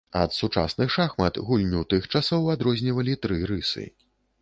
Ад сучасных шахмат гульню тых часоў адрознівалі тры рысы.